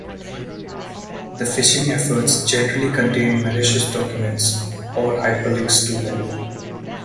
The phishing efforts generally contain malicious documents (or hyperlinks to them).